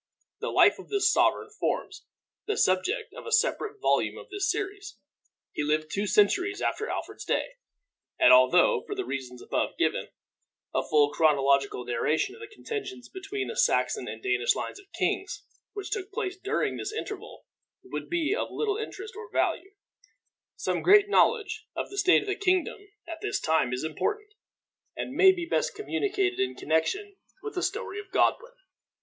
The life of this sovereign forms the subject of a separate volume of this series. He lived two centuries after Alfred's day; and although, for the reasons above given, a full chronological narration of the contentions between the Saxon and Danish lines of kings which took place during this interval would be of little interest or value, some general knowledge of the state of the kingdom at this time is important, and may best be communicated in connection with the story of Godwin.